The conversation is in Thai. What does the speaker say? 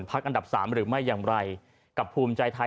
อันดับสามหรือไม่อย่างไรกับภูมิใจไทย